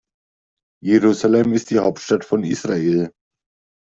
Jerusalem ist die Hauptstadt von Israel.